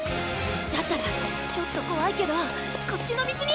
だったらちょっと怖いけどこっちの道に！